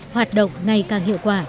hoạt động ngày càng hiệu quả